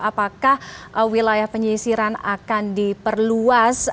apakah wilayah penyisiran akan diperluas